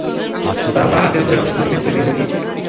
তাঁর বাঁ হাতের ওপরের অংশে গুলি ভেদ করে বের হয়ে গেছে।